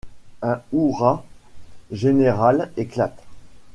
Un hurrah général éclate.